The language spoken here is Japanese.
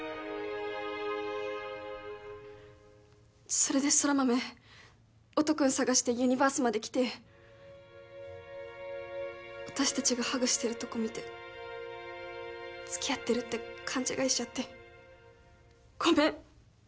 それで空豆音君捜してユニバースまで来て私たちがハグしてるとこ見てつきあってるって勘違いしちゃってごめん！